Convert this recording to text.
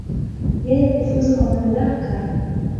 Yeye kufuzu kwa mamlaka.